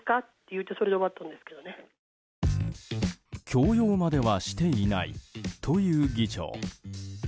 強要まではしていないという議長。